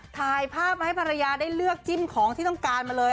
ถ่ายภาพให้ภรรยาได้เลือกจิ้มของที่ต้องการมาเลย